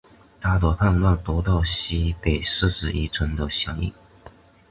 他的叛乱得到西北四十余城的响应。